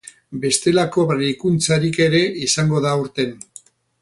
Bestelako berrikuntzarik ere izango da aurten.